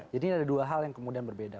jadi ini ada dua hal yang kemudian berbeda